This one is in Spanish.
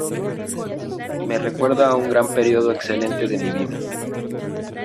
Me recuerda a un gran período excelente de mi vida.